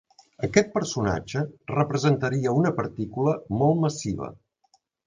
Aquest personatge representaria una partícula molt massiva.